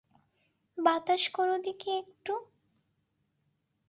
বাতাস করো দিকি একটু।